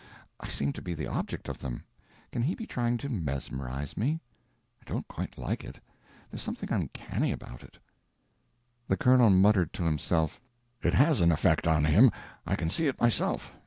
I seem to be the object of them. Can he be trying to mesmerize me? I don't quite like it. There's something uncanny about it." The colonel muttered to himself, "It has an effect on him, I can see it myself.